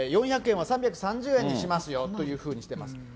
４００円は３３０円にしますよというふうにしてます。